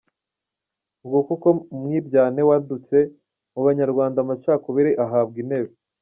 Nguko uko umwiryane wadutse mu Banyarwanda amacakubiri ahabwa intebe.